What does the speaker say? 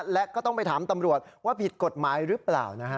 และก็ต้องไปถามตำรวจว่าผิดกฎหมายหรือเปล่านะฮะ